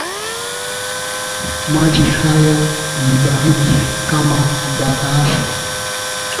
Maji haya ni baridi kama barafu